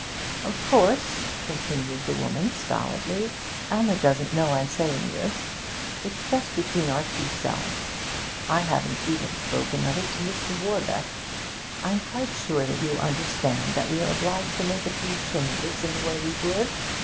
'Of course,' continued the woman stolidly, 'Alma doesn't know I'm saying this. It's just between our two selves. I haven't even spoken of it to Mr. Warbeck. I'm quite sure that you'll understand that we're obliged to make a few changes in the way we've lived.